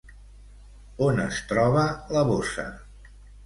On es troba la bossa?